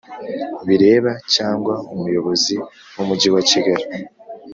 bireba cyangwa Umuyobozi w Umujyi wa Kigali